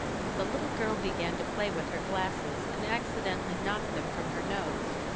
The little girl began to play with her glasses, and accidentally knocked them from her nose.